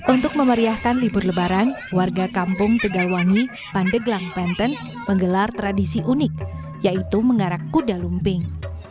untuk memeriahkan libur lebaran warga kampung tegalwangi pandeglang banten menggelar tradisi unik yaitu mengarak kuda lumping